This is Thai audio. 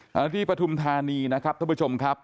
เอาที่ปฐุมธานีนะครับท่านผู้ชมครับ